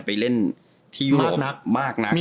เป็นเล่นทีโลปมากนัก